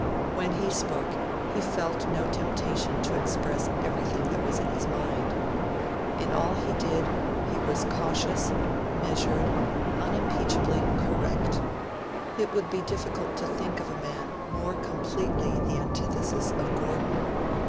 When he spoke, he felt no temptation to express everything that was in his mind. In all he did, he was cautious, measured, unimpeachably correct. It would be difficult to think of a man more completely the antithesis of Gordon.